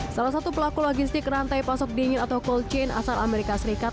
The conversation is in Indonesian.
salah satu pelaku logistik rantai pasok dingin atau cold chain asal amerika serikat